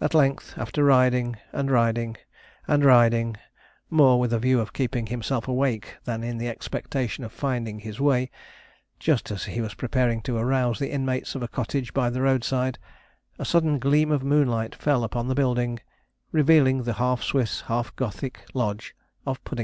At length, after riding, and riding, and riding, more with a view of keeping himself awake than in the expectation of finding his way, just as he was preparing to arouse the inmates of a cottage by the roadside, a sudden gleam of moonlight fell upon the building, revealing the half Swiss, half Gothic lodge of Puddingpote Bower.